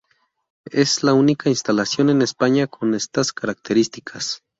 Es la única instalación en España con estas características.